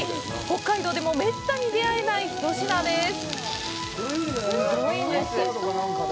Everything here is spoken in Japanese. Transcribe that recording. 北海道でもめったに出会えない一品です。